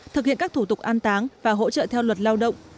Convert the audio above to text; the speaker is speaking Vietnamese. thực hiện các thủ tục an táng và hỗ trợ theo luật lao động